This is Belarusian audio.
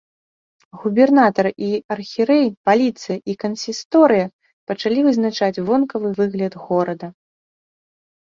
Губернатар і архірэй, паліцыя і кансісторыя пачалі вызначаць вонкавы выгляд горада.